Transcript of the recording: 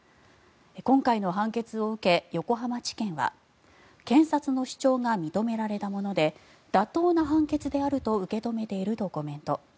今回の判決を受け横浜地検は検察の主張が認められたもので妥当な判決であると受け止めているとコメント。